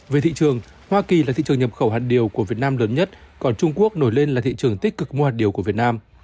về thị trường hoa kỳ là thị trường nhập khẩu hạt điều của việt nam lớn nhất còn trung quốc nổi lên là thị trường tích cực mua hạt điều của việt nam